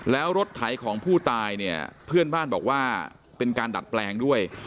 แล้วรถไถของผู้ตายเนี่ยเพื่อนบ้านบอกว่าเป็นการดัดแปลงด้วย